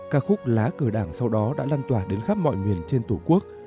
ca khúc lá cờ đảng sau đó đã lan tỏa đến khắp mọi miền trên tổ quốc